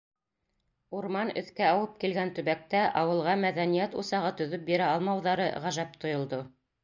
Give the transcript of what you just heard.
Урман өҫкә ауып килгән төбәктә ауылға мәҙәниәт усағы төҙөп бирә алмауҙары ғәжәп тойолдо.